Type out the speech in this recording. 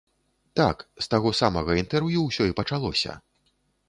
Так, з таго самага інтэрв'ю ўсё і пачалося!